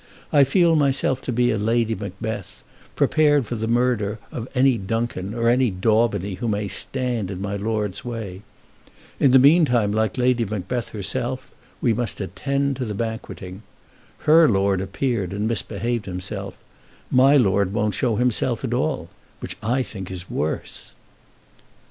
I feel myself to be a Lady Macbeth, prepared for the murder of any Duncan or any Daubeny who may stand in my lord's way. In the meantime, like Lady Macbeth herself, we must attend to the banqueting. Her lord appeared and misbehaved himself; my lord won't show himself at all, which I think is worse."